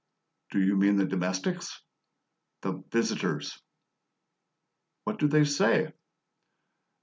"Do you mean the domestics?" "The visitors!" "What do they say?"